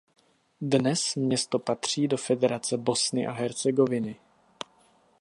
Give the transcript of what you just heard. Dnes město patří do Federace Bosny a Hercegoviny.